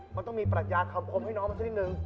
มันต้องมีปรัชญาข่อมคมให้น้องมาช่วยนิดหนึ่ง